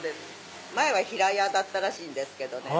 ⁉前は平屋だったらしいんですけどね。